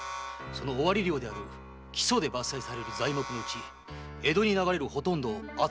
尾張領である木曽で伐採される材木のうち江戸に流れるほとんどを扱う手はずになっております。